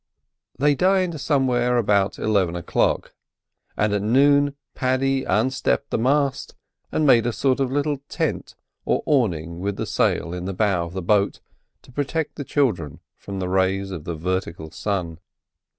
They dined somewhere about eleven o'clock, and at noon Paddy unstepped the mast and made a sort of little tent or awning with the sail in the bow of the boat to protect the children from the rays of the vertical sun.